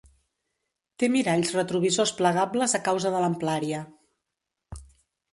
Té miralls retrovisors plegables a causa de l'amplària.